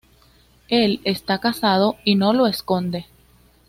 Él está casado y no lo esconde.